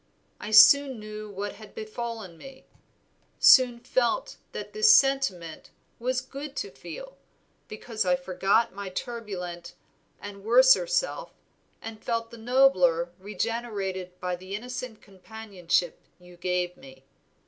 I soon knew what had befallen me, soon felt that this sentiment was good to feel, because I forgot my turbulent and worser self and felt the nobler regenerated by the innocent companionship you gave me.